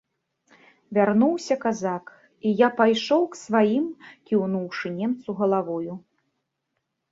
Вярнуўся казак, і я пайшоў к сваім, кіўнуўшы немцу галавою.